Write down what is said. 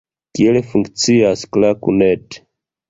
Kiel funkcias Klaku.net?